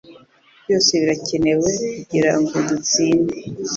byose birakenewe kugirango dutsinde.